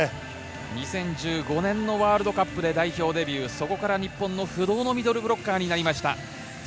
２０１５年のワールドカップで代表デビュー、そこから日本の不動のミドルブロッカーになりました。